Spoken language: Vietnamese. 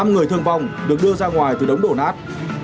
năm người thương vong được đưa ra ngoài từ đống đổ nát